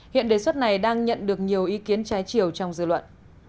hiện đề xuất này đang nhận được nhiều ý kiến trái chiều trong dư luận